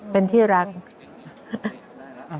เป็นที่รัก